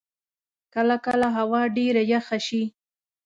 کله کله هوا ډېره یخه شی.